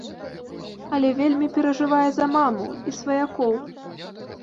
Але вельмі перажывае за маму і сваякоў.